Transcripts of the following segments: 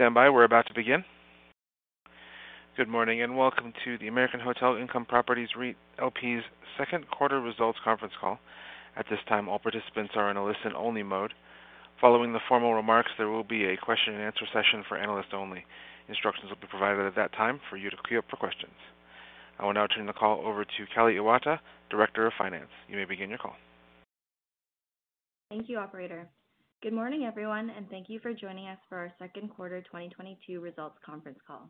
Please stand by. We're about to begin. Good morning, and welcome to the American Hotel Income Properties REIT LP's Second Quarter Results Conference Call. At this time, all participants are in a listen only mode. Following the formal remarks, there will be a question and answer session for analysts only. Instructions will be provided at that time for you to queue up for questions. I will now turn the call over to Kelly Iwata, Director of Finance. You may begin your call. Thank you, operator. Good morning, everyone, and thank you for joining us for our second quarter 2022 results conference call.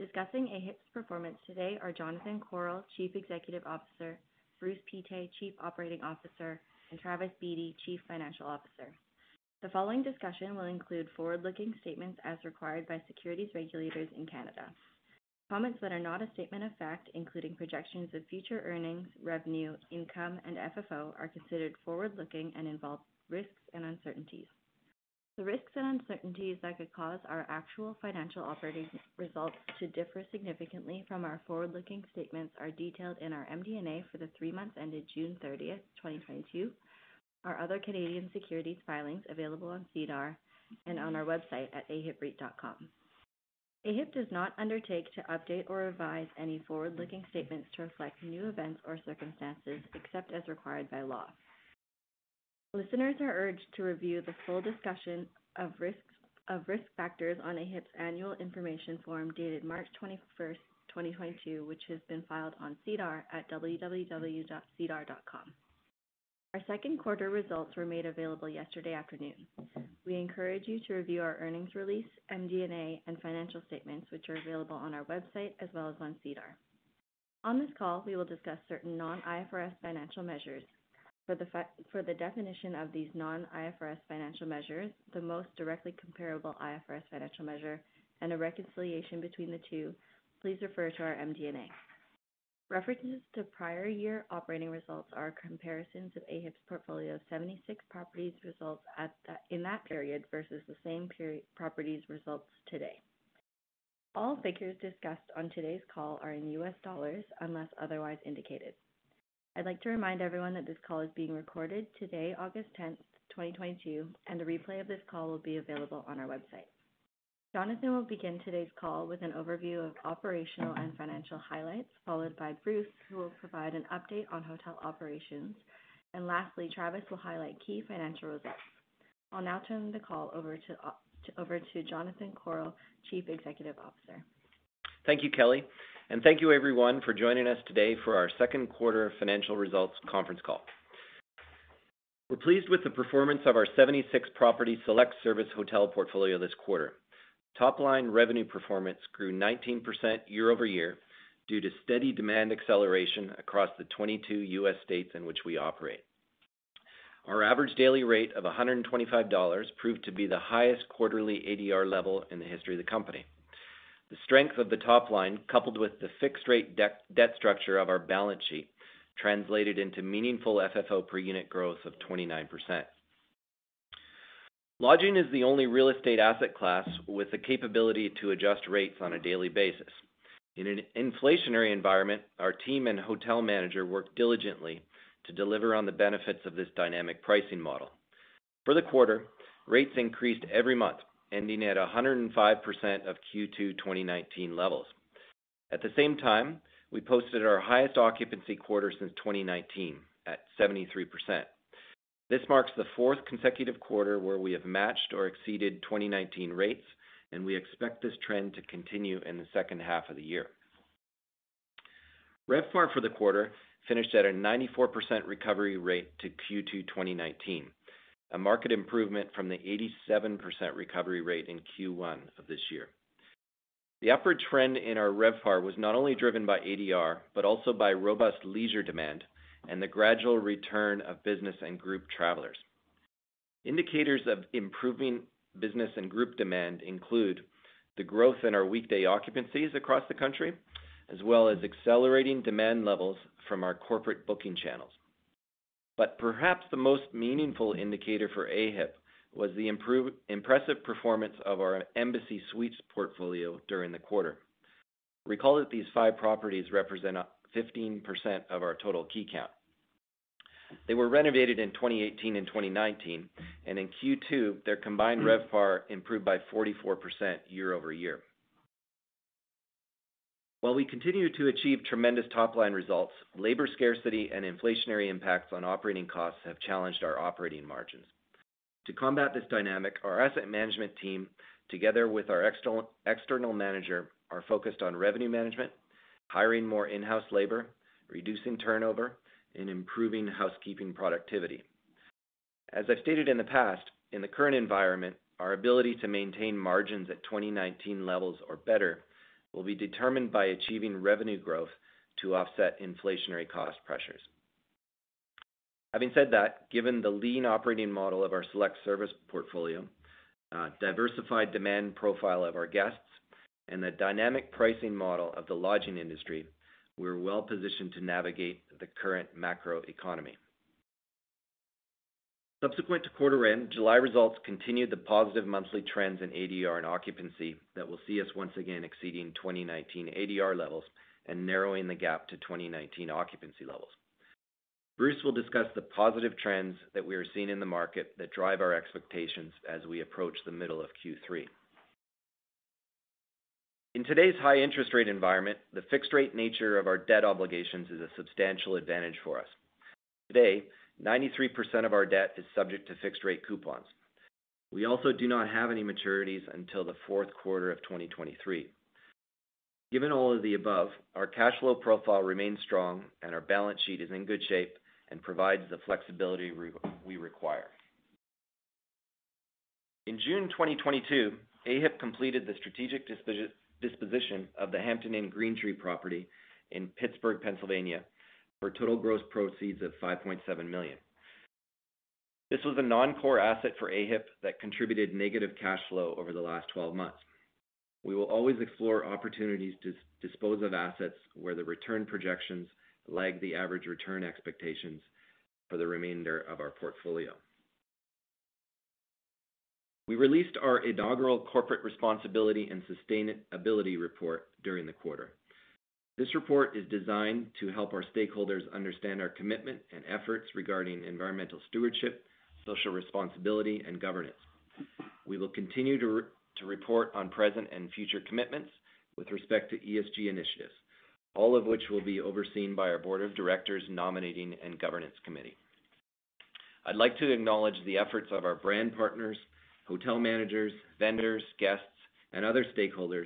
Discussing AHIP's performance today are Jonathan Korol, Chief Executive Officer, Bruce Pittet, Chief Operating Officer, and Travis Beatty, Chief Financial Officer. The following discussion will include forward-looking statements as required by securities regulators in Canada. Comments that are not a statement of fact, including projections of future earnings, revenue, income, and FFO, are considered forward-looking and involve risks and uncertainties. The risks and uncertainties that could cause our actual financial operating results to differ significantly from our forward-looking statements are detailed in our MD&A for the three months ended June 30th, 2022, our other Canadian securities filings available on SEDAR and on our website at ahipreit.com. AHIP does not undertake to update or revise any forward-looking statements to reflect new events or circumstances except as required by law. Listeners are urged to review the full discussion of risks, of risk factors on AHIP's annual information form dated March 21st, 2022, which has been filed on SEDAR at www.sedar.com. Our second quarter results were made available yesterday afternoon. We encourage you to review our earnings release, MD&A, and financial statements, which are available on our website as well as on SEDAR. On this call, we will discuss certain non-IFRS financial measures. For the definition of these non-IFRS financial measures, the most directly comparable IFRS financial measure, and a reconciliation between the two, please refer to our MD&A. References to prior year operating results are comparisons of AHIP's portfolio 76 properties results in that period versus the same period properties results today. All figures discussed on today's call are in US dollars, unless otherwise indicated. I'd like to remind everyone that this call is being recorded today, August 10th, 2022, and a replay of this call will be available on our website. Jonathan will begin today's call with an overview of operational and financial highlights, followed by Bruce, who will provide an update on hotel operations. Lastly, Travis will highlight key financial results. I'll now turn the call over to Jonathan Korol, Chief Executive Officer. Thank you, Kelly. Thank you everyone for joining us today for our second quarter financial results conference call. We're pleased with the performance of our 76-property select-service hotel portfolio this quarter. Top-line revenue performance grew 19% year-over-year due to steady demand acceleration across the 22 U.S. states in which we operate. Our average daily rate of $125 proved to be the highest quarterly ADR level in the history of the company. The strength of the top line, coupled with the fixed-rate debt structure of our balance sheet, translated into meaningful FFO per unit growth of 29%. Lodging is the only real estate asset class with the capability to adjust rates on a daily basis. In an inflationary environment, our team and hotel manager work diligently to deliver on the benefits of this dynamic pricing model. For the quarter, rates increased every month, ending at 105% of Q2 2019 levels. At the same time, we posted our highest occupancy quarter since 2019 at 73%. This marks the fourth consecutive quarter where we have matched or exceeded 2019 rates, and we expect this trend to continue in the second half of the year. RevPAR for the quarter finished at a 94% recovery rate to Q2 2019, a market improvement from the 87% recovery rate in Q1 of this year. The upward trend in our RevPAR was not only driven by ADR, but also by robust leisure demand and the gradual return of business and group travelers. Indicators of improving business and group demand include the growth in our weekday occupancies across the country, as well as accelerating demand levels from our corporate booking channels. Perhaps the most meaningful indicator for AHIP was the impressive performance of our Embassy Suites portfolio during the quarter. Recall that these five properties represent 15% of our total key count. They were renovated in 2018 and 2019, and in Q2, their combined RevPAR improved by 44% year-over-year. While we continue to achieve tremendous top-line results, labor scarcity and inflationary impacts on operating costs have challenged our operating margins. To combat this dynamic, our asset management team, together with our external manager, are focused on revenue management, hiring more in-house labor, reducing turnover, and improving housekeeping productivity. As I've stated in the past, in the current environment, our ability to maintain margins at 2019 levels or better will be determined by achieving revenue growth to offset inflationary cost pressures. Having said that, given the lean operating model of our select service portfolio, diversified demand profile of our guests, and the dynamic pricing model of the lodging industry, we're well positioned to navigate the current macro economy. Subsequent to quarter end, July results continued the positive monthly trends in ADR and occupancy that will see us once again exceeding 2019 ADR levels and narrowing the gap to 2019 occupancy levels. Bruce will discuss the positive trends that we are seeing in the market that drive our expectations as we approach the middle of Q3. In today's high interest rate environment, the fixed rate nature of our debt obligations is a substantial advantage for us. Today, 93% of our debt is subject to fixed rate coupons. We also do not have any maturities until the fourth quarter of 2023. Given all of the above, our cash flow profile remains strong and our balance sheet is in good shape and provides the flexibility we require. In June 2022, AHIP completed the strategic disposition of the Hampton Inn Pittsburgh/Greentree property in Pittsburgh, Pennsylvania, for total gross proceeds of $5.7 million. This was a non-core asset for AHIP that contributed negative cash flow over the last 12 months. We will always explore opportunities to dispose of assets where the return projections lag the average return expectations for the remainder of our portfolio. We released our inaugural corporate responsibility and sustainability report during the quarter. This report is designed to help our stakeholders understand our commitment and efforts regarding environmental stewardship, social responsibility, and governance. We will continue to report on present and future commitments with respect to ESG initiatives, all of which will be overseen by our Board of Directors Nominating and Governance Committee. I'd like to acknowledge the efforts of our brand partners, hotel managers, vendors, guests, and other stakeholders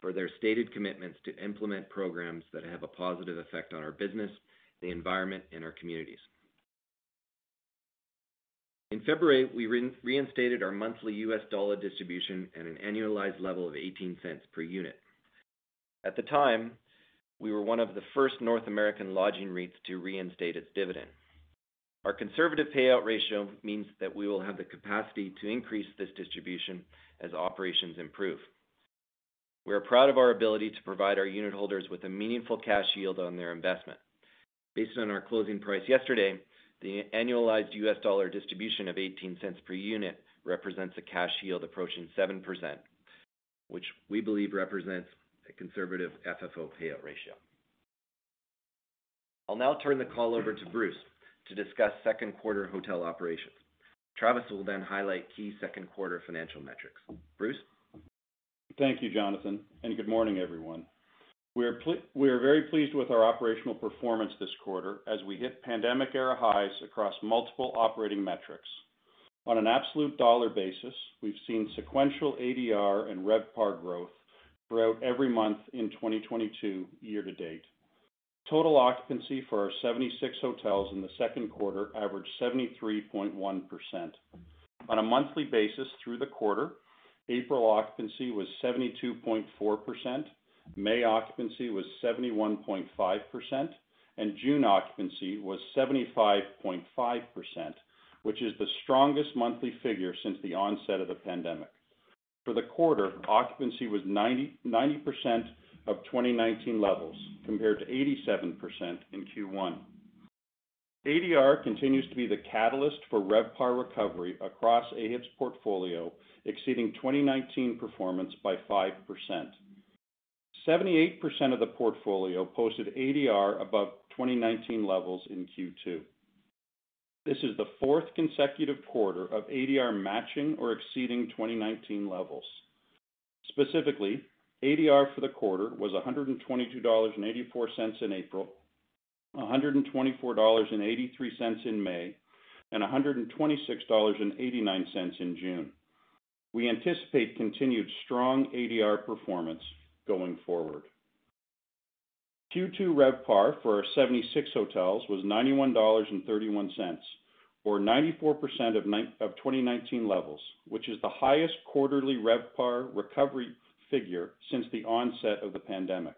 for their stated commitments to implement programs that have a positive effect on our business, the environment, and our communities. In February, we reinstated our monthly US dollar distribution at an annualized level of $0.18 per unit. At the time, we were one of the first North American lodging REITs to reinstate its dividend. Our conservative payout ratio means that we will have the capacity to increase this distribution as operations improve. We are proud of our ability to provide our unit holders with a meaningful cash yield on their investment. Based on our closing price yesterday, the annualized US dollar distribution of $0.18 per unit represents a cash yield approaching 7%, which we believe represents a conservative FFO payout ratio. I'll now turn the call over to Bruce to discuss second quarter hotel operations. Travis will then highlight key second quarter financial metrics. Bruce. Thank you, Jonathan, and good morning, everyone. We are very pleased with our operational performance this quarter as we hit pandemic era highs across multiple operating metrics. On an absolute dollar basis, we've seen sequential ADR and RevPAR growth throughout every month in 2022 year to date. Total occupancy for our 76 hotels in the second quarter averaged 73.1%. On a monthly basis through the quarter, April occupancy was 72.4%, May occupancy was 71.5%, and June occupancy was 75.5%, which is the strongest monthly figure since the onset of the pandemic. For the quarter, occupancy was 90% of 2019 levels, compared to 87% in Q1. ADR continues to be the catalyst for RevPAR recovery across AHIP's portfolio, exceeding 2019 performance by 5%. 78% of the portfolio posted ADR above 2019 levels in Q2. This is the fourth consecutive quarter of ADR matching or exceeding 2019 levels. Specifically, ADR for the quarter was $122.84 in April, $124.83 in May, and $126.89 in June. We anticipate continued strong ADR performance going forward. Q2 RevPAR for our 76 hotels was $91.31, or 94% of twenty nineteen levels, which is the highest quarterly RevPAR recovery figure since the onset of the pandemic.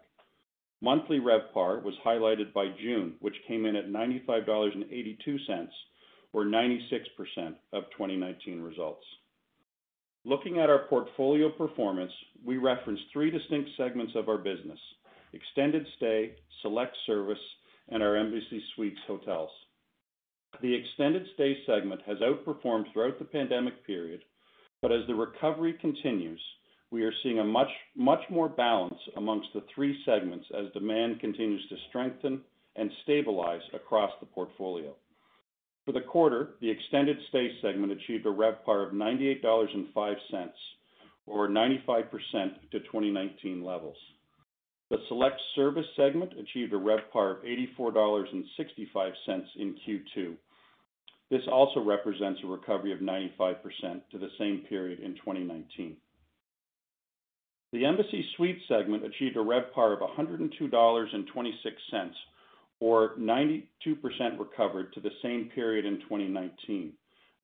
Monthly RevPAR was highlighted by June, which came in at $95.82, or 96% of 2019 results. Looking at our portfolio performance, we reference three distinct segments of our business: extended stay, select service, and our Embassy Suites hotels. The extended stay segment has outperformed throughout the pandemic period, but as the recovery continues, we are seeing a much, much more balance amongst the three segments as demand continues to strengthen and stabilize across the portfolio. For the quarter, the extended stay segment achieved a RevPAR of $98.05, or 95% to 2019 levels. The select service segment achieved a RevPAR of $84.65 in Q2. This also represents a recovery of 95% to the same period in 2019. The Embassy Suites segment achieved a RevPAR of $102.26, or 92% recovered to the same period in 2019,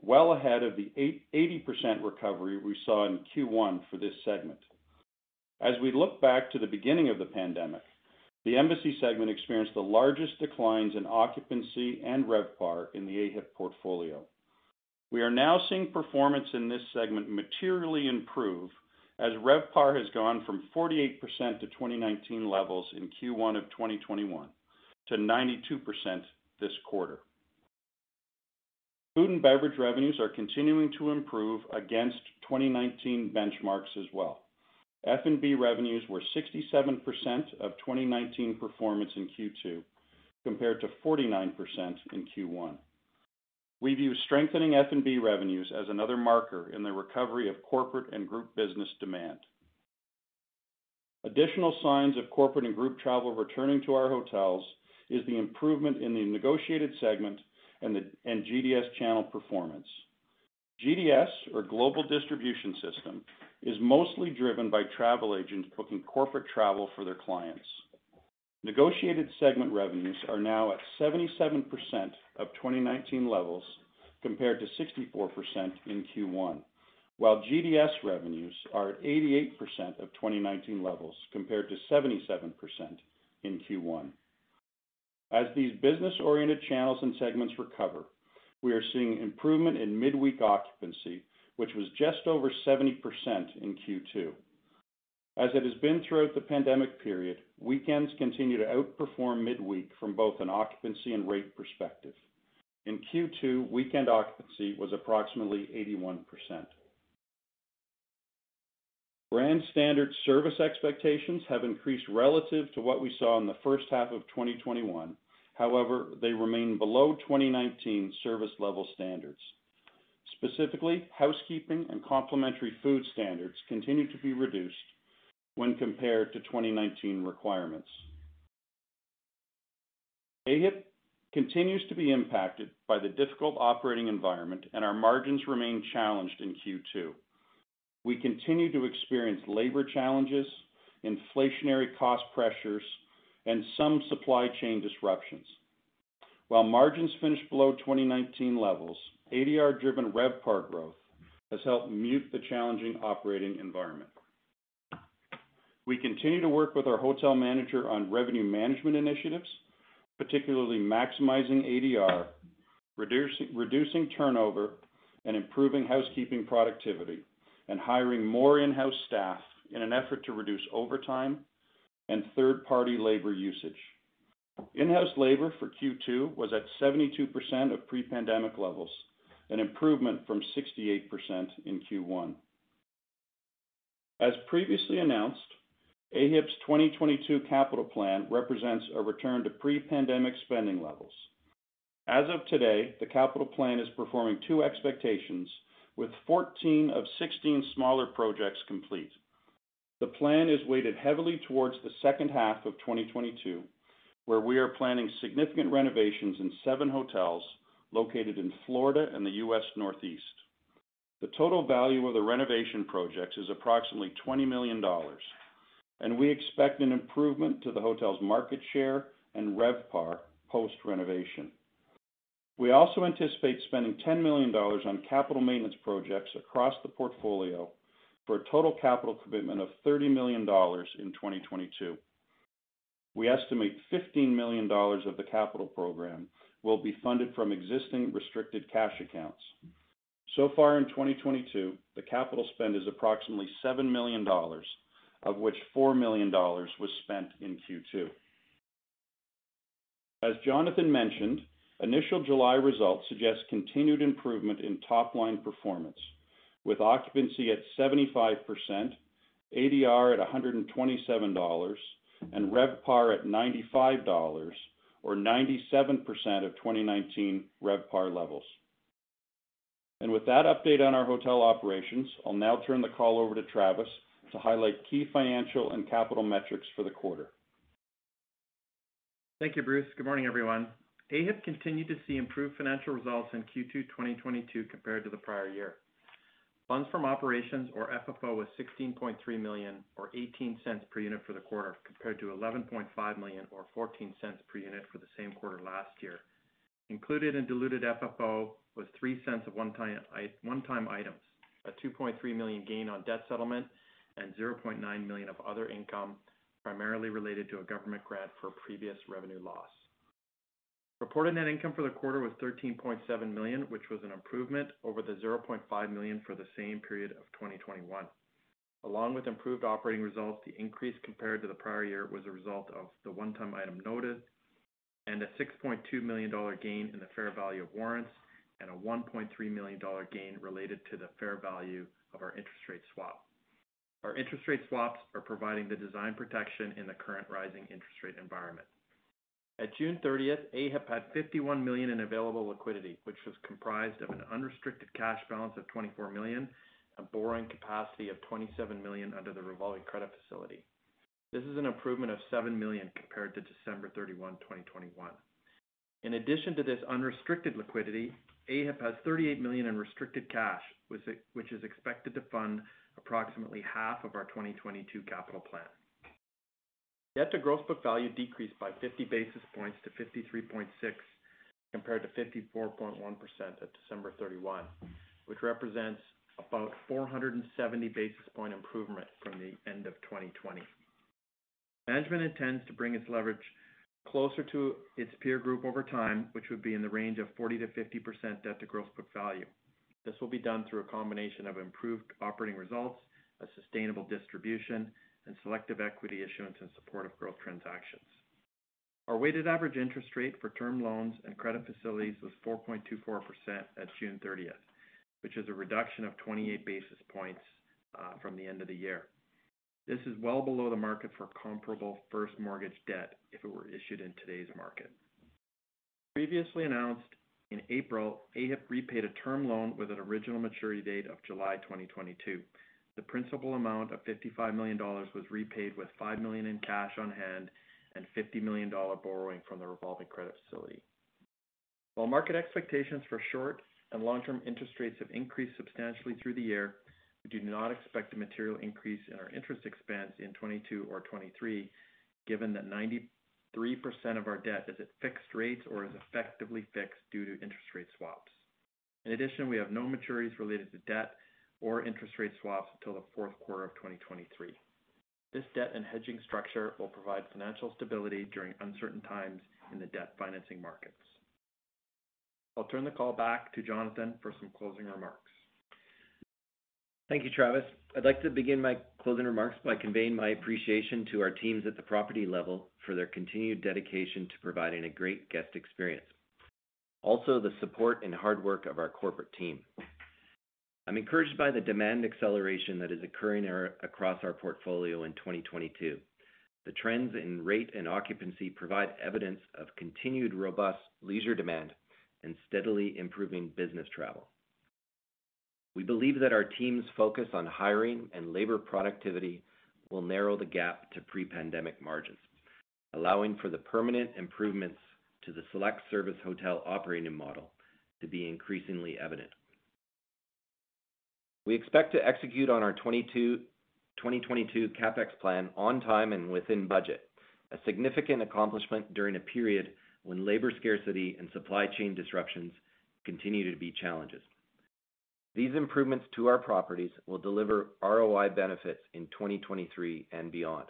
well ahead of the 88% recovery we saw in Q1 for this segment. As we look back to the beginning of the pandemic, the Embassy Suites segment experienced the largest declines in occupancy and RevPAR in the AHIP portfolio. We are now seeing performance in this segment materially improve as RevPAR has gone from 48% to 2019 levels in Q1 of 2021 to 92% this quarter. Food and beverage revenues are continuing to improve against 2019 benchmarks as well. F&B revenues were 67% of 2019 performance in Q2, compared to 49% in Q1. We view strengthening F&B revenues as another marker in the recovery of corporate and group business demand. Additional signs of corporate and group travel returning to our hotels is the improvement in the negotiated segment and the GDS channel performance. GDS or global distribution system is mostly driven by travel agents booking corporate travel for their clients. Negotiated segment revenues are now at 77% of 2019 levels, compared to 64% in Q1, while GDS revenues are at 88% of 2019 levels compared to 77% in Q1. As these business oriented channels and segments recover, we are seeing improvement in midweek occupancy, which was just over 70% in Q2. As it has been throughout the pandemic period, weekends continue to outperform midweek from both an occupancy and rate perspective. In Q2, weekend occupancy was approximately 81%. Brand standard service expectations have increased relative to what we saw in the first half of 2021. However, they remain below 2019 service level standards. Specifically, housekeeping and complimentary food standards continue to be reduced when compared to 2019 requirements. AHIP continues to be impacted by the difficult operating environment and our margins remain challenged in Q2. We continue to experience labor challenges, inflationary cost pressures, and some supply chain disruptions. While margins finished below 2019 levels, ADR driven RevPAR growth has helped mute the challenging operating environment. We continue to work with our hotel manager on revenue management initiatives, particularly maximizing ADR, reducing turnover and improving housekeeping productivity, and hiring more in-house staff in an effort to reduce overtime and third-party labor usage. In-house labor for Q2 was at 72% of pre-pandemic levels, an improvement from 68% in Q1. As previously announced, AHIP's 2022 capital plan represents a return to pre-pandemic spending levels. As of today, the capital plan is performing to expectations with 14 of 16 smaller projects complete. The plan is weighted heavily towards the second half of 2022, where we are planning significant renovations in seven hotels located in Florida and the U.S. Northeast. The total value of the renovation projects is approximately $20 million, and we expect an improvement to the hotel's market share and RevPAR post renovation. We also anticipate spending $10 million on capital maintenance projects across the portfolio for a total capital commitment of $30 million in 2022. We estimate $15 million of the capital program will be funded from existing restricted cash accounts. So far in 2022, the capital spend is approximately $7 million, of which $4 million was spent in Q2. As Jonathan mentioned, initial July results suggest continued improvement in top line performance, with occupancy at 75%, ADR at $127, and RevPAR at $95 or 97% of 2019 RevPAR levels. With that update on our hotel operations, I'll now turn the call over to Travis to highlight key financial and capital metrics for the quarter. Thank you, Bruce. Good morning, everyone. AHIP continued to see improved financial results in Q2 2022 compared to the prior year. Funds from operations or FFO was $16.3 million or $0.18 per unit for the quarter, compared to $11.5 million or $0.14 per unit for the same quarter last year. Included in diluted FFO was $0.03 of one-time items, a $2.3 million gain on debt settlement, and $0.9 million of other income, primarily related to a government grant for previous revenue loss. Reported net income for the quarter was $13.7 million, which was an improvement over the $0.5 million for the same period of 2021. Along with improved operating results, the increase compared to the prior year was a result of the one-time item noted and a $6.2 million gain in the fair value of warrants and a $1.3 million gain related to the fair value of our interest rate swap. Our interest rate swaps are providing the desired protection in the current rising interest rate environment. At June 30th, AHIP had $51 million in available liquidity, which was comprised of an unrestricted cash balance of $24 million, a borrowing capacity of $27 million under the revolving credit facility. This is an improvement of $7 million compared to December 31, 2021. In addition to this unrestricted liquidity, AHIP has $38 million in restricted cash, which is expected to fund approximately half of our 2022 capital plan. Debt to gross book value decreased by 50 basis points to 53.6, compared to 54.1% at December 31, which represents about 470 basis point improvement from the end of 2020. Management intends to bring its leverage closer to its peer group over time, which would be in the range of 40%-50% debt to gross book value. This will be done through a combination of improved operating results, a sustainable distribution, and selective equity issuance in support of growth transactions. Our weighted average interest rate for term loans and credit facilities was 4.24% at June 30th, which is a reduction of 28 basis points from the end of the year. This is well below the market for comparable first mortgage debt if it were issued in today's market. Previously announced in April, AHIP repaid a term loan with an original maturity date of July 2022. The principal amount of $55 million was repaid with $5 million in cash on hand and $50 million borrowing from the revolving credit facility. While market expectations for short and long-term interest rates have increased substantially through the year, we do not expect a material increase in our interest expense in 2022 or 2023, given that 93% of our debt is at fixed rates or is effectively fixed due to interest rate swaps. In addition, we have no maturities related to debt or interest rate swaps till the fourth quarter of 2023. This debt and hedging structure will provide financial stability during uncertain times in the debt financing markets. I'll turn the call back to Jonathan for some closing remarks. Thank you, Travis. I'd like to begin my closing remarks by conveying my appreciation to our teams at the property level for their continued dedication to providing a great guest experience. Also, the support and hard work of our corporate team. I'm encouraged by the demand acceleration that is occurring across our portfolio in 2022. The trends in rate and occupancy provide evidence of continued robust leisure demand and steadily improving business travel. We believe that our team's focus on hiring and labor productivity will narrow the gap to pre-pandemic margins, allowing for the permanent improvements to the select service hotel operating model to be increasingly evident. We expect to execute on our 2022 CapEx plan on time and within budget, a significant accomplishment during a period when labor scarcity and supply chain disruptions continue to be challenges. These improvements to our properties will deliver ROI benefits in 2023 and beyond.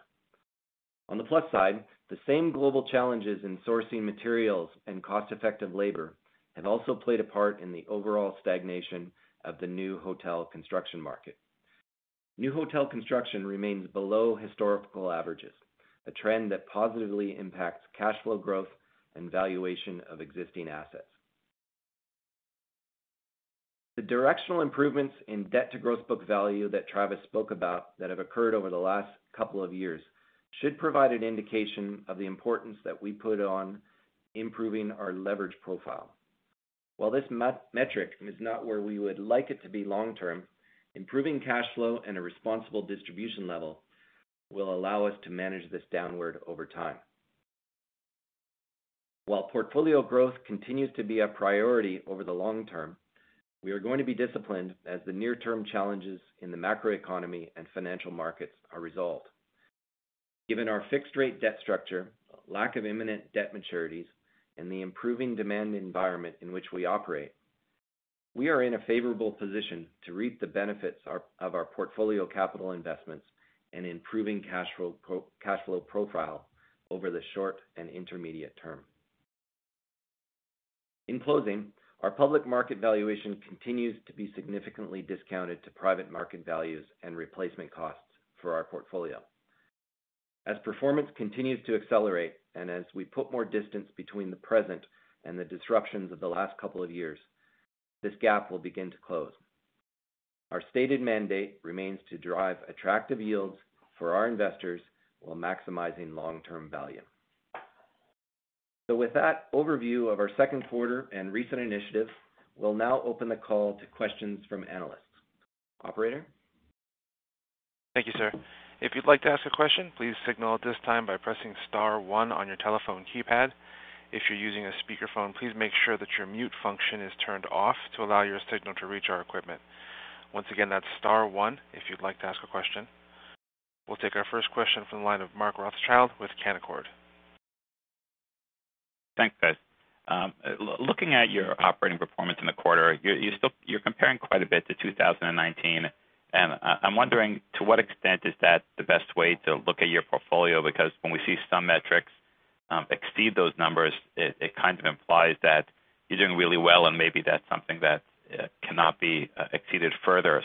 On the plus side, the same global challenges in sourcing materials and cost-effective labor have also played a part in the overall stagnation of the new hotel construction market. New hotel construction remains below historical averages, a trend that positively impacts cash flow growth and valuation of existing assets. The directional improvements in debt to gross book value that Travis spoke about that have occurred over the last couple of years should provide an indication of the importance that we put on improving our leverage profile. While this metric is not where we would like it to be long term, improving cash flow and a responsible distribution level will allow us to manage this downward over time. While portfolio growth continues to be a priority over the long term, we are going to be disciplined as the near-term challenges in the macroeconomy and financial markets are resolved. Given our fixed rate debt structure, lack of imminent debt maturities, and the improving demand environment in which we operate, we are in a favorable position to reap the benefits of our portfolio capital investments and improving cash flow profile over the short and intermediate term. In closing, our public market valuation continues to be significantly discounted to private market values and replacement costs for our portfolio. As performance continues to accelerate and as we put more distance between the present and the disruptions of the last couple of years, this gap will begin to close. Our stated mandate remains to drive attractive yields for our investors while maximizing long-term value. With that overview of our second quarter and recent initiatives, we'll now open the call to questions from analysts. Operator? Thank you, sir. If you'd like to ask a question, please signal at this time by pressing star one on your telephone keypad. If you're using a speakerphone, please make sure that your mute function is turned off to allow your signal to reach our equipment. Once again, that's star one if you'd like to ask a question. We'll take our first question from the line of Mark Rothschild with Canaccord. Thanks, guys. Looking at your operating performance in the quarter, you're still comparing quite a bit to 2019. I'm wondering to what extent is that the best way to look at your portfolio because when we see some metrics exceed those numbers, it kind of implies that you're doing really well and maybe that's something that cannot be exceeded further.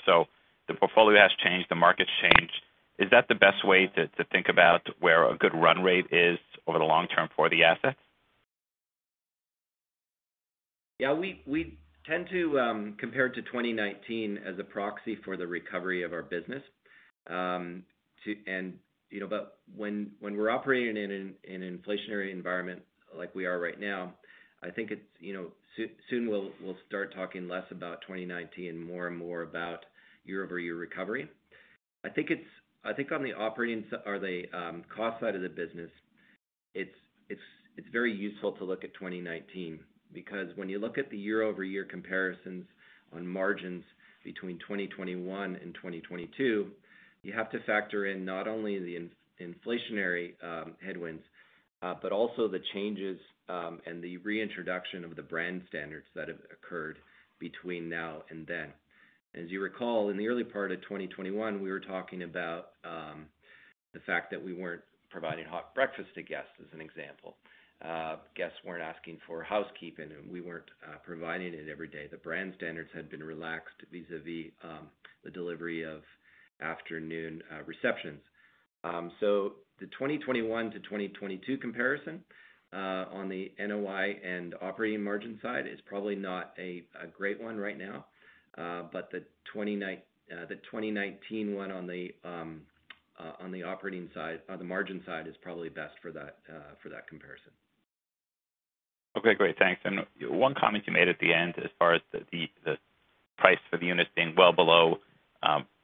The portfolio has changed, the market's changed. Is that the best way to think about where a good run rate is over the long term for the asset? Yeah, we tend to compare to 2019 as a proxy for the recovery of our business. You know, when we're operating in an inflationary environment like we are right now, I think it's you know, soon we'll start talking less about 2019 more and more about year-over-year recovery. I think on the operating or the cost side of the business, it's very useful to look at 2019 because when you look at the year-over-year comparisons on margins between 2021 and 2022, you have to factor in not only the inflationary headwinds, but also the changes and the reintroduction of the brand standards that have occurred between now and then. As you recall, in the early part of 2021, we were talking about the fact that we weren't providing hot breakfast to guests, as an example. Guests weren't asking for housekeeping, and we weren't providing it every day. The brand standards had been relaxed vis-à-vis the delivery of afternoon receptions. The 2021 to 2022 comparison on the NOI and operating margin side is probably not a great one right now. The 2019 one on the operating side, the margin side is probably best for that comparison. Okay, great. Thanks. One comment you made at the end as far as the price for the units being well below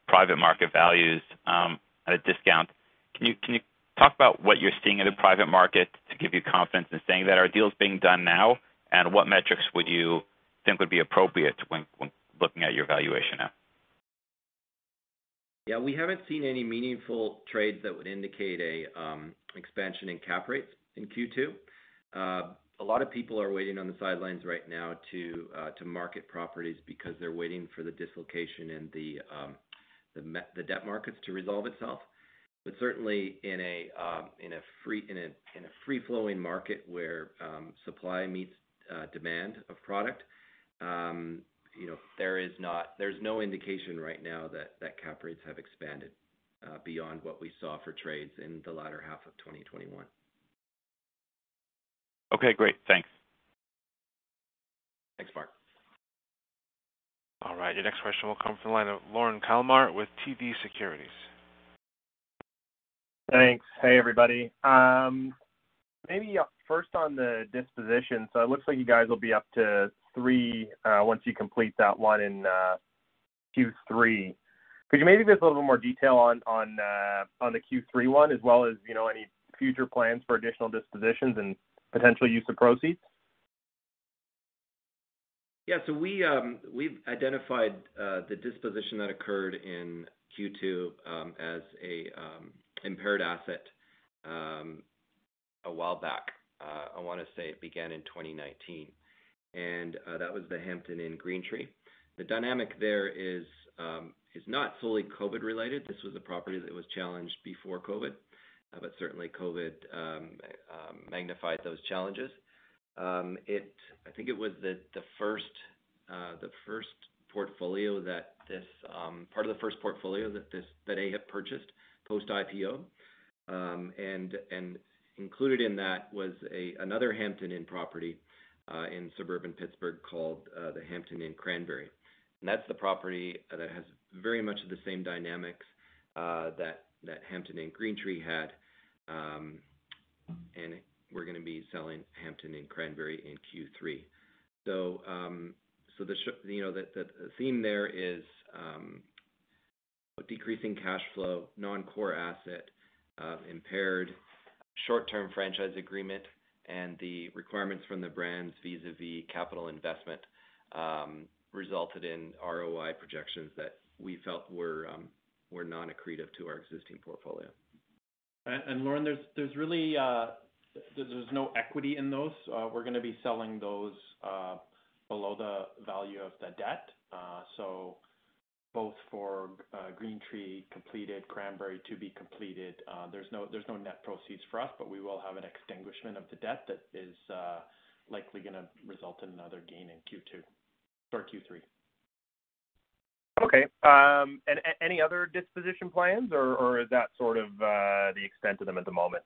private market values at a discount. Can you talk about what you're seeing in the private market to give you confidence in saying that our deals being done now and what metrics would you think would be appropriate when looking at your valuation now? Yeah, we haven't seen any meaningful trades that would indicate an expansion in cap rates in Q2. A lot of people are waiting on the sidelines right now to market properties because they're waiting for the dislocation in the debt markets to resolve itself. Certainly in a free-flowing market where supply meets demand of product, you know, there's no indication right now that cap rates have expanded beyond what we saw for trades in the latter half of 2021. Okay, great. Thanks. Thanks, Mark. All right, your next question will come from the line of Lorne Kalmar with TD Securities. Thanks. Hey, everybody. First on the disposition. It looks like you guys will be up to three once you complete that one in Q3. Could you maybe give us a little more detail on the Q3 one as well as, you know, any future plans for additional dispositions and potential use of proceeds? Yeah. We've identified the disposition that occurred in Q2 as an impaired asset a while back. I wanna say it began in 2019, and that was the Hampton Inn Pittsburgh/Greentree. The dynamic there is not fully COVID-related. This was a property that was challenged before COVID, but certainly COVID magnified those challenges. I think it was the first portfolio that AHIP purchased post-IPO. Included in that was another Hampton Inn property in suburban Pittsburgh called the Hampton Inn & Suites Cranberry Pittsburgh. That's the property that has very much the same dynamics that Hampton Inn Pittsburgh/Greentree had. We're gonna be selling Hampton Inn & Suites Cranberry Pittsburgh in Q3. You know, the theme there is decreasing cash flow, non-core asset, impaired short-term franchise agreement, and the requirements from the brands vis-à-vis capital investment resulted in ROI projections that we felt were non-accretive to our existing portfolio. Lorne, there's really no equity in those. We're gonna be selling those below the value of the debt. Both for Greentree completed, Cranberry to be completed, there's no net proceeds for us, but we will have an extinguishment of the debt that is likely gonna result in another gain in Q2 or Q3. Okay. Any other disposition plans or is that sort of the extent of them at the moment?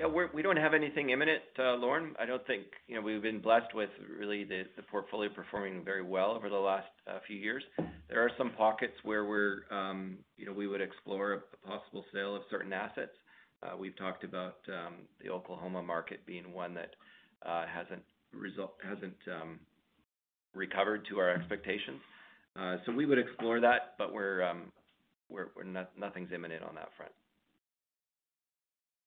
Yeah, we don't have anything imminent, Lorne. I don't think. You know, we've been blessed with really the portfolio performing very well over the last few years. There are some pockets where we're, you know, we would explore a possible sale of certain assets. We've talked about the Oklahoma market being one that hasn't recovered to our expectations. So we would explore that, but nothing's imminent on that front.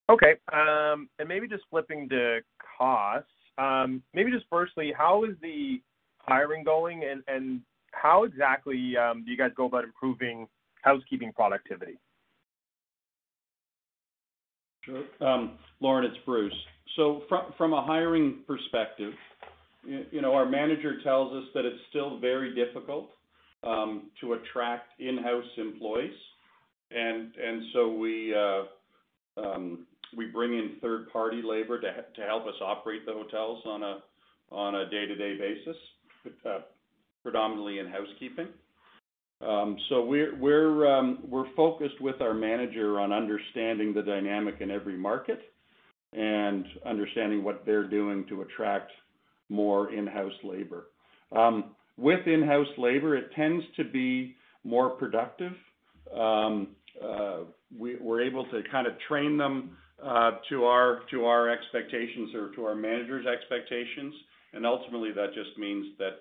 Okay. Maybe just flipping to costs. Maybe just firstly, how is the hiring going, and how exactly do you guys go about improving housekeeping productivity? Sure. Lorne, it's Bruce. From a hiring perspective, you know, our manager tells us that it's still very difficult to attract in-house employees. We bring in third-party labor to help us operate the hotels on a day-to-day basis, predominantly in housekeeping. We're focused with our manager on understanding the dynamic in every market and understanding what they're doing to attract more in-house labor. With in-house labor, it tends to be more productive. We're able to kind of train them to our expectations or to our manager's expectations. Ultimately, that just means that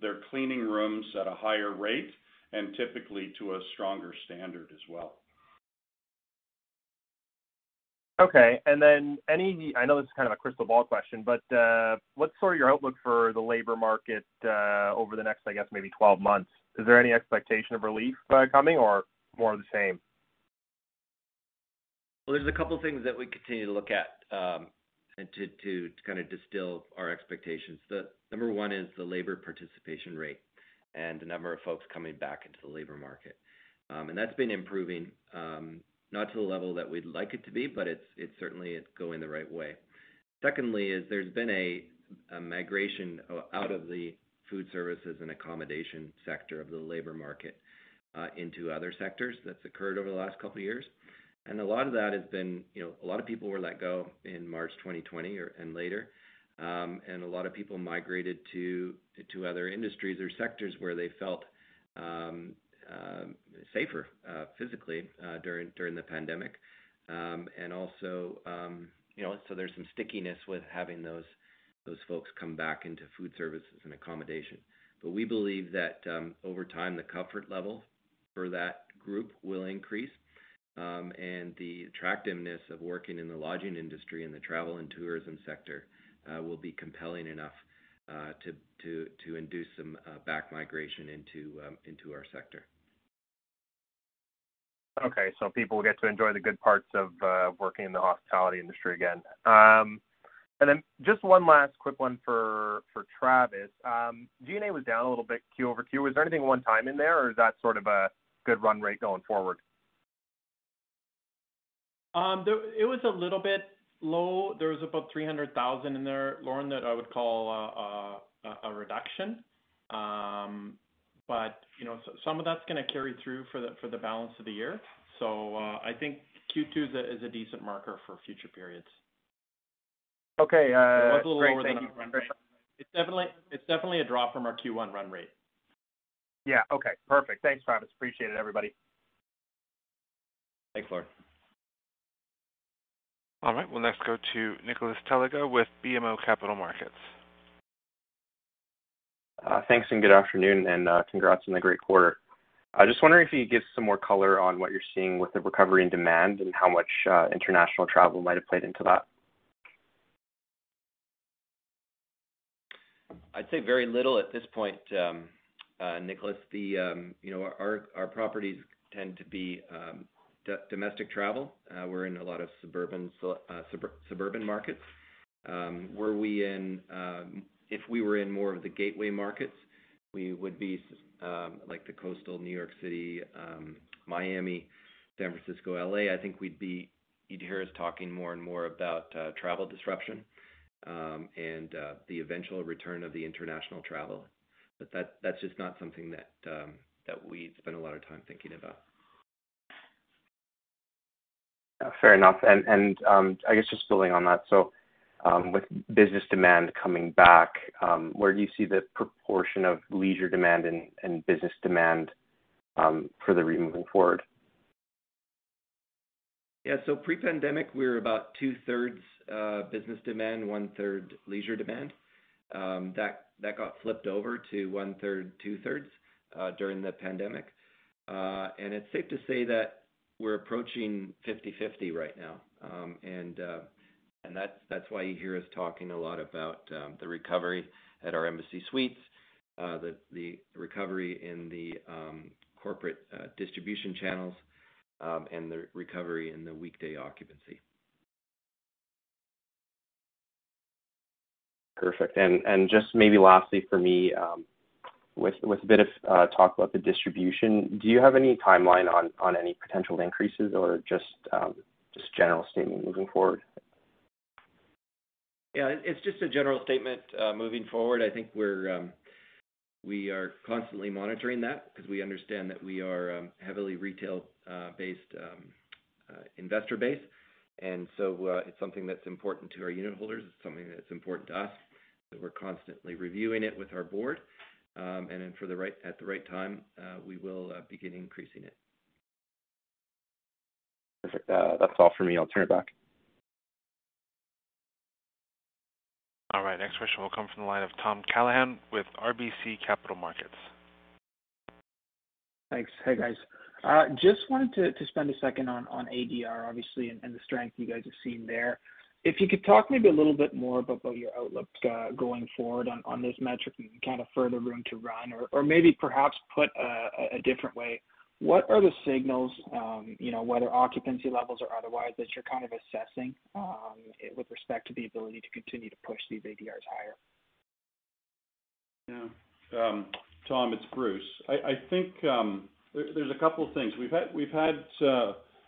they're cleaning rooms at a higher rate and typically to a stronger standard as well. Okay. I know this is kind of a crystal ball question, but what's sort of your outlook for the labor market over the next, I guess, maybe 12 months? Is there any expectation of relief coming or more of the same? Well, there's a couple of things that we continue to look at, and to kind of distill our expectations. The number one is the labor participation rate and the number of folks coming back into the labor market. That's been improving, not to the level that we'd like it to be, but it's certainly going the right way. Secondly is there's been a migration out of the food services and accommodation sector of the labor market into other sectors that's occurred over the last couple of years. A lot of that has been, you know, a lot of people were let go in March 2020 or later. A lot of people migrated to other industries or sectors where they felt safer, physically, during the pandemic. You know, there's some stickiness with having those folks come back into food services and accommodation. We believe that over time, the comfort level for that group will increase. The attractiveness of working in the lodging industry and the travel and tourism sector will be compelling enough to induce some back migration into our sector. People will get to enjoy the good parts of working in the hospitality industry again. Just one last quick one for Travis. G&A was down a little bit Q-over-Q. Was there anything one-time in there or is that sort of a good run rate going forward? It was a little bit low. There was about $300,000 in there, Lorne, that I would call a reduction. You know, some of that's gonna carry through for the balance of the year. I think Q2 is a decent marker for future periods. Okay. Great. Thank you. It was a little lower than our run rate. It's definitely a drop from our Q1 run rate. Yeah. Okay. Perfect. Thanks, Travis. Appreciate it, everybody. Thanks, Lorne. All right. We'll next go to Nicholas Telega with BMO Capital Markets. Thanks, and good afternoon. Congrats on the great quarter. I was just wondering if you could give some more color on what you're seeing with the recovery and demand and how much international travel might have played into that. I'd say very little at this point, Nicholas. You know, our properties tend to be domestic travel. We're in a lot of suburban markets. If we were in more of the gateway markets, we would be like the coastal New York City, Miami, San Francisco, LA. I think you'd hear us talking more and more about travel disruption and the eventual return of the international travel. That's just not something that we spend a lot of time thinking about. Fair enough. I guess just building on that. With business demand coming back, where do you see the proportion of leisure demand and business demand for the year moving forward? Yeah. Pre-pandemic, we were about 2/3 business demand, 1/3 leisure demand. That got flipped over to 1/3, 2/3 during the pandemic. It's safe to say that we're approaching 50/50 right now. That's why you hear us talking a lot about the recovery at our Embassy Suites, the recovery in the corporate distribution channels, and the recovery in the weekday occupancy. Perfect. Just maybe lastly for me, with a bit of talk about the distribution, do you have any timeline on any potential increases or just general statement moving forward? Yeah. It's just a general statement moving forward. I think we are constantly monitoring that because we understand that we are heavily retail-based investor base. It's something that's important to our unit holders. It's something that's important to us, that we're constantly reviewing it with our board. At the right time, we will begin increasing it. Perfect. That's all for me. I'll turn it back. All right. Next question will come from the line of Tom Callaghan with RBC Capital Markets. Thanks. Hey, guys. Just wanted to spend a second on ADR, obviously, and the strength you guys have seen there. If you could talk maybe a little bit more about your outlook, going forward on this metric and kind of further room to run or maybe perhaps put a different way, what are the signals, you know, whether occupancy levels or otherwise that you're kind of assessing, with respect to the ability to continue to push these ADRs higher? Yeah. Tom, it's Bruce. I think there's a couple of things. We've had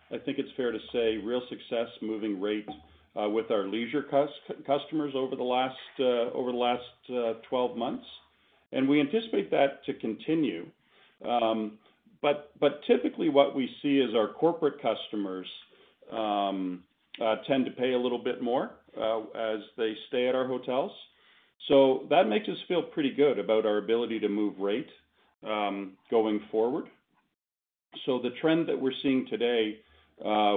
I think it's fair to say real success moving rates with our leisure customers over the last 12 months, we anticipate that to continue. Typically what we see is our corporate customers tend to pay a little bit more as they stay at our hotels. That makes us feel pretty good about our ability to move rate going forward. The trend that we're seeing today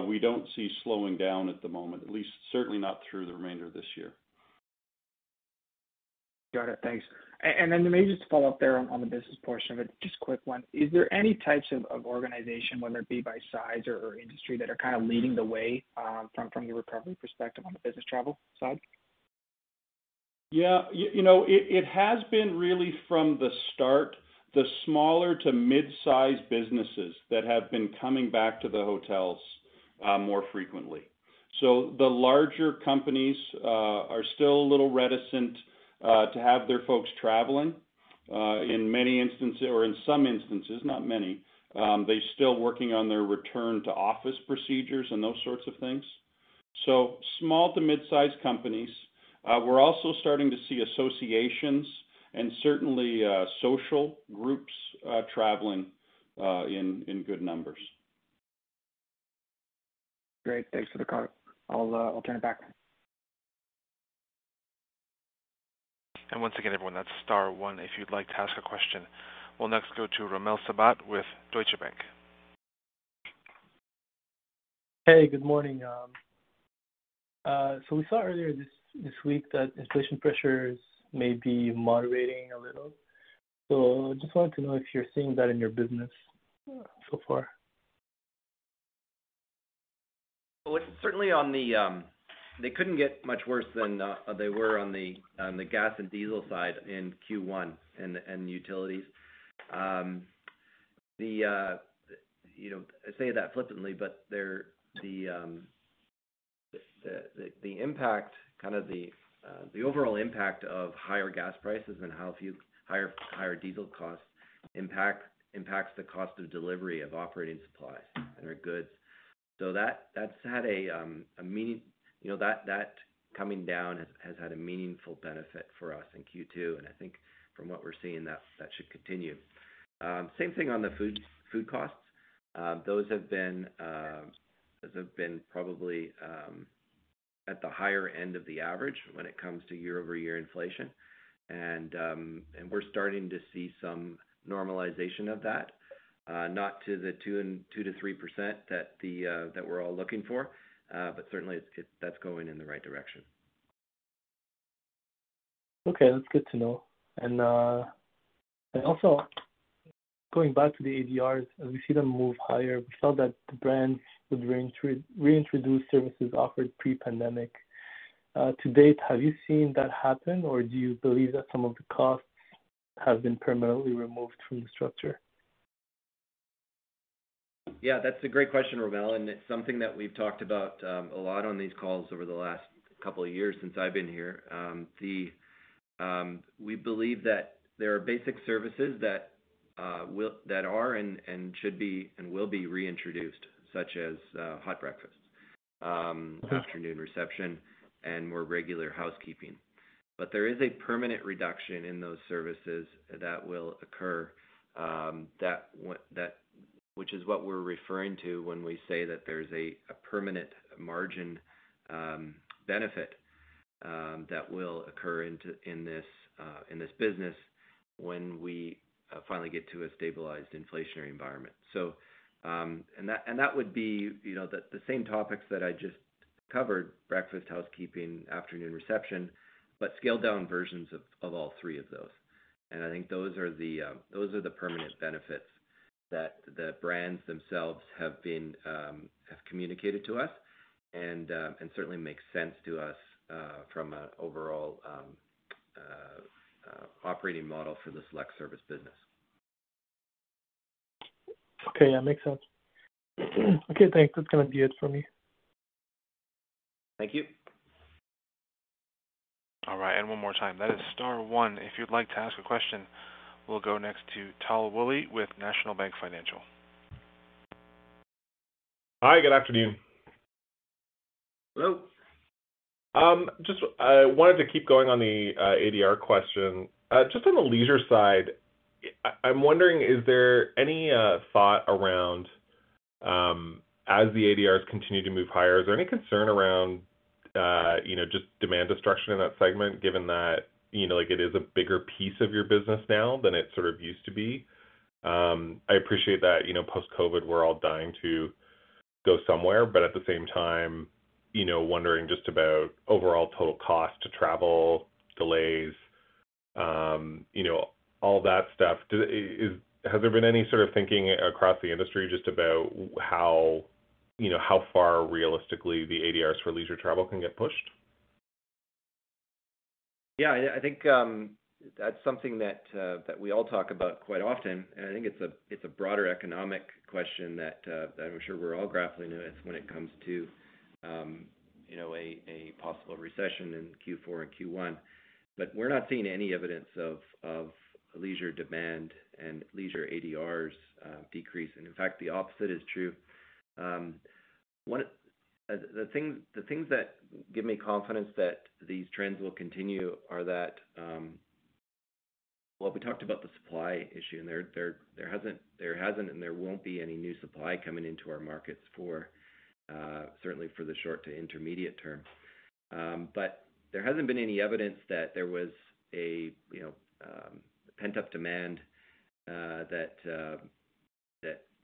we don't see slowing down at the moment, at least certainly not through the remainder of this year. Got it. Thanks. Maybe just to follow up there on the business portion of it, just a quick one. Is there any types of organization, whether it be by size or industry, that are kind of leading the way, from your recovery perspective on the business travel side? Yeah. You know, it has been really from the start, the smaller to midsize businesses that have been coming back to the hotels more frequently. The larger companies are still a little reticent to have their folks traveling. In some instances, not many, they're still working on their return to office procedures and those sorts of things. Small to mid-size companies. We're also starting to see associations and certainly social groups traveling in good numbers. Great. Thanks for the color. I'll turn it back. Once again, everyone, that's star one if you'd like to ask a question. We'll next go to Romel Sabat with Scotiabank. Hey, good morning. We saw earlier this week that inflation pressures may be moderating a little. Just wanted to know if you're seeing that in your business so far. Well, they couldn't get much worse than they were on the gas and diesel side in Q1 and utilities. You know, I say that flippantly, but there's the impact, kind of the overall impact of higher gas prices and those higher diesel costs impact the cost of delivery of operating supplies and our goods. So that coming down has had a meaningful benefit for us in Q2, and I think from what we're seeing, that should continue. You know, same thing on the food costs. Those have been probably at the higher end of the average when it comes to year-over-year inflation. We're starting to see some normalization of that, not to the 2%-3% that we're all looking for, but certainly that's going in the right direction. Okay. That's good to know. Also going back to the ADRs, as we see them move higher, we saw that the brands would reintroduce services offered pre-pandemic. To date, have you seen that happen, or do you believe that some of the costs have been permanently removed from the structure? Yeah, that's a great question, Romel, and it's something that we've talked about a lot on these calls over the last couple of years since I've been here. We believe that there are basic services that are and should be and will be reintroduced, such as hot breakfast, afternoon reception, and more regular housekeeping. But there is a permanent reduction in those services that will occur, that which is what we're referring to when we say that there's a permanent margin benefit that will occur in this business when we finally get to a stabilized inflationary environment. And that would be, you know, the same topics that I just covered, breakfast, housekeeping, afternoon reception, but scaled down versions of all three of those. I think those are the permanent benefits that the brands themselves have communicated to us and certainly makes sense to us from an overall operating model for the select service business. Okay. Yeah, makes sense. Okay, thanks. That's gonna be it for me. Thank you. All right. One more time, that is star one if you'd like to ask a question. We'll go next to Tal Woolley with National Bank Financial. Hi, good afternoon. Hello. Just wanted to keep going on the ADR question. Just on the leisure side, I'm wondering, is there any thought around as the ADRs continue to move higher, is there any concern around you know just demand destruction in that segment, given that you know like it is a bigger piece of your business now than it sort of used to be? I appreciate that you know post-COVID we're all dying to go somewhere, but at the same time you know wondering just about overall total cost to travel, delays you know all that stuff. Has there been any sort of thinking across the industry just about how you know how far realistically the ADRs for leisure travel can get pushed? Yeah, I think that's something that we all talk about quite often, and I think it's a broader economic question that I'm sure we're all grappling with when it comes to you know a possible recession in Q4 and Q1. We're not seeing any evidence of leisure demand and leisure ADRs decrease. In fact, the opposite is true. The things that give me confidence that these trends will continue are that. Well, we talked about the supply issue, and there hasn't and there won't be any new supply coming into our markets for certainly for the short to intermediate term. There hasn't been any evidence that there was a you know pent-up demand that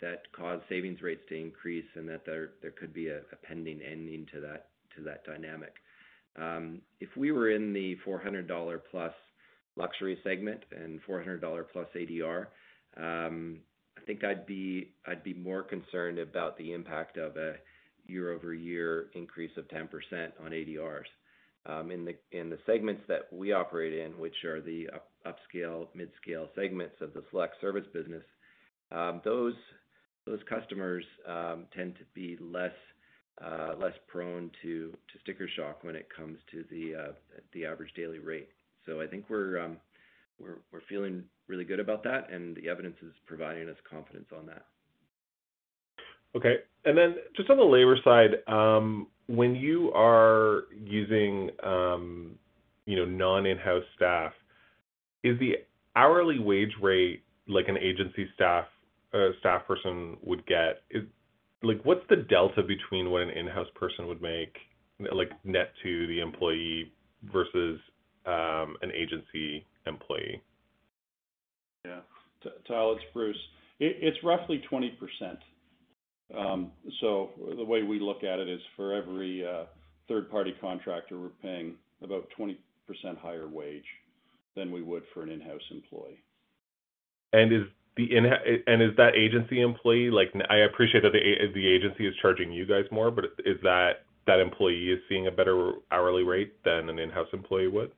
that caused savings rates to increase and that there there could be an impending end to that dynamic. If we were in the $400+ luxury segment and $400+ ADR, I think I'd be more concerned about the impact of a year-over-year increase of 10% on ADRs. In the segments that we operate in, which are the upscale, mid-scale segments of the select service business, those Those customers tend to be less prone to sticker shock when it comes to the average daily rate. I think we're feeling really good about that, and the evidence is providing us confidence on that. Okay. Just on the labor side, when you are using, you know, non-in-house staff, is the hourly wage rate like an agency staff person would get? Like, what's the delta between what an in-house person would make, like, net to the employee versus, an agency employee? Yeah, Tal, it's Bruce. It's roughly 20%. So the way we look at it is for every third-party contractor, we're paying about 20% higher wage than we would for an in-house employee. Is that agency employee like I appreciate that the agency is charging you guys more, but is that employee seeing a better hourly rate than an in-house employee would?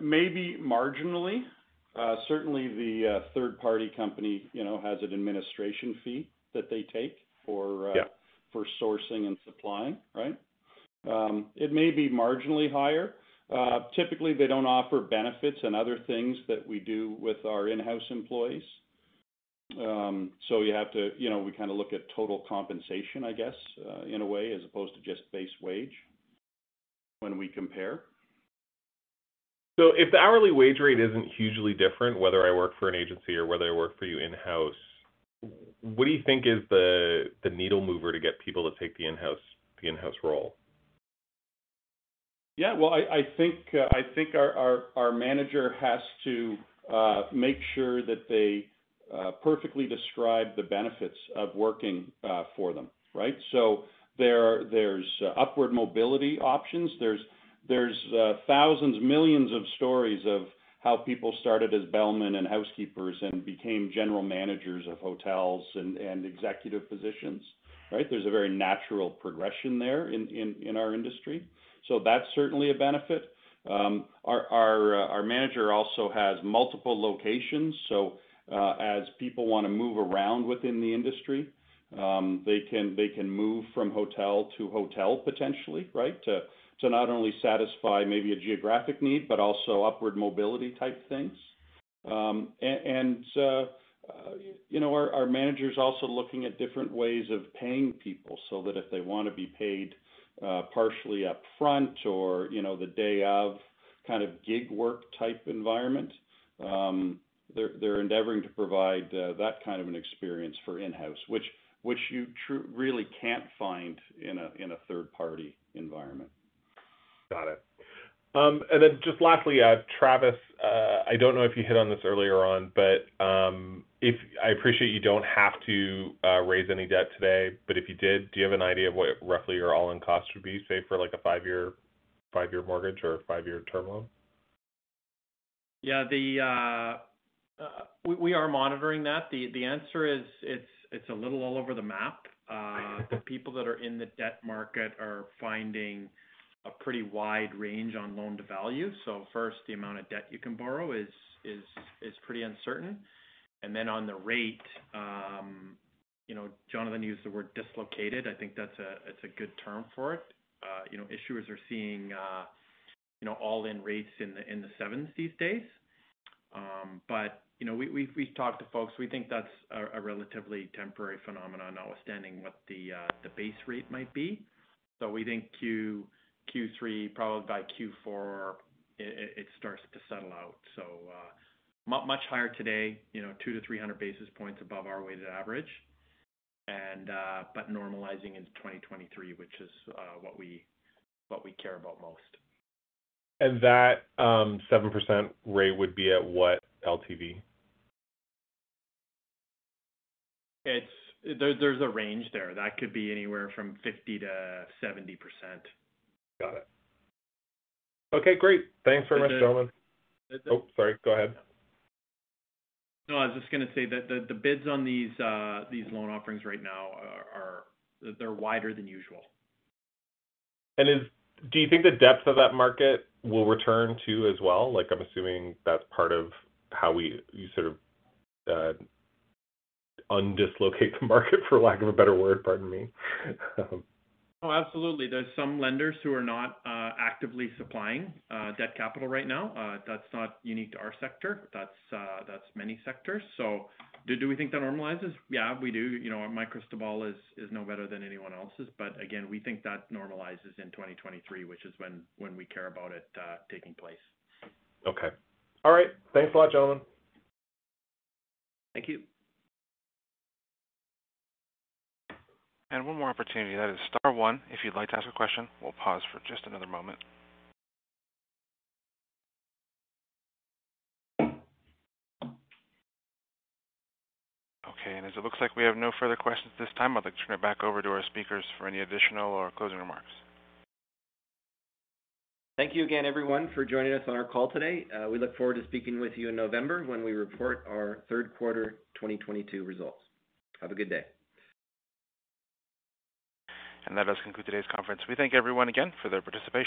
Maybe marginally. Certainly the third party company, you know, has an administration fee that they take for, Yeah... for sourcing and supplying, right? It may be marginally higher. Typically, they don't offer benefits and other things that we do with our in-house employees. You have to. You know, we kinda look at total compensation, I guess, in a way, as opposed to just base wage when we compare. If the hourly wage rate isn't hugely different whether I work for an agency or whether I work for you in-house, what do you think is the needle mover to get people to take the in-house role? Yeah. Well, I think our manager has to make sure that they perfectly describe the benefits of working for them, right? There's upward mobility options. There's thousands, millions of stories of how people started as bellmen and housekeepers and became general managers of hotels and executive positions, right? There's a very natural progression there in our industry. That's certainly a benefit. Our manager also has multiple locations, so as people wanna move around within the industry, they can move from hotel to hotel potentially, right? To not only satisfy maybe a geographic need, but also upward mobility type things. You know, our manager's also looking at different ways of paying people so that if they wanna be paid partially up front or, you know, the day of, kind of gig work type environment, they're endeavoring to provide that kind of an experience for in-house, which you really can't find in a third party environment. Got it. Just lastly, Travis, I don't know if you hit on this earlier on, but I appreciate you don't have to raise any debt today, but if you did, do you have an idea of what roughly your all-in cost would be, say, for like a five-year mortgage or a five-year term loan? Yeah. We are monitoring that. The answer is it's a little all over the map. I see. The people that are in the debt market are finding a pretty wide range on loan to value. First, the amount of debt you can borrow is pretty uncertain. On the rate, you know, Jonathan used the word dislocated. I think that's a good term for it. You know, issuers are seeing all-in rates in the sevens these days. You know, we've talked to folks. We think that's a relatively temporary phenomenon, notwithstanding what the base rate might be. We think Q3, probably by Q4, it starts to settle out. Much higher today, you know, 200-300 basis points above our weighted average. Normalizing into 2023, which is what we care about most. That 7% rate would be at what LTV? There's a range there. That could be anywhere from 50%-70%. Got it. Okay, great. Thanks very much, gentlemen. The- Oh, sorry. Go ahead. No, I was just gonna say that the bids on these loan offerings right now are wider than usual. Do you think the depth of that market will return too as well? Like, I'm assuming that's part of how we, you sort of, un-dislocate the market, for lack of a better word. Pardon me. Oh, absolutely. There's some lenders who are not actively supplying debt capital right now. That's not unique to our sector. That's many sectors. So do we think that normalizes? Yeah, we do. You know, my crystal ball is no better than anyone else's. Again, we think that normalizes in 2023, which is when we care about it taking place. Okay. All right. Thanks a lot, gentlemen. Thank you. One more opportunity. That is star one if you'd like to ask a question. We'll pause for just another moment. Okay. As it looks like we have no further questions at this time, I'd like to turn it back over to our speakers for any additional or closing remarks. Thank you again, everyone, for joining us on our call today. We look forward to speaking with you in November when we report our third quarter 2022 results. Have a good day. That does conclude today's conference. We thank everyone again for their participation.